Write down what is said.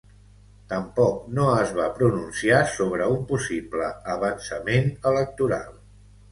Tampoc no es va pronunciar sobre un possible avançament electoral.